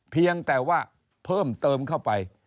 เพียงแต่ว่าเพิ่มเติมเข้าไป